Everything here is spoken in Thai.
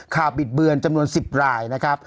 บิดเบือนจำนวน๑๐รายนะครับ